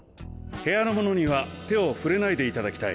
部屋のものには手を触れないでいただきたい。